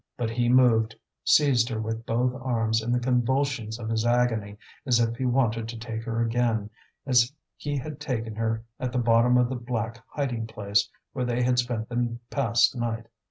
But he moved, seized her with both arms in the convulsion of his agony, as if he wanted to take her again, as he had taken her at the bottom of the black hiding place where they had spent the past night.